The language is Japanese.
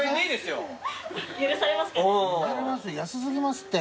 安過ぎますって。